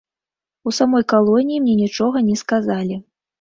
У самой калоніі мне нічога не сказалі.